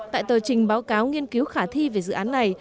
tại tờ trình báo cáo nghiên cứu khả thi về dự án này